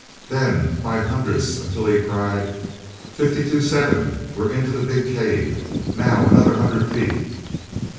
Then by hundreds until he cried: "Fifty two seven. We're into the big cave! Now another hundred feet."